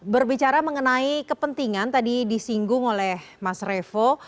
berbicara mengenai kepentingan tadi disinggung oleh mas revo